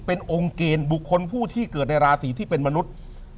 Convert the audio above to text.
เป็นองค์เกณฑ์บุคคลผู้ที่เกิดในราศีที่เป็นมนุษย์